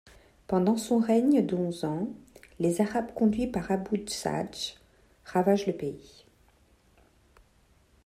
Pendant son règne de onze ans, les Arabes, conduits par Abou-Sadj, ravagent le pays.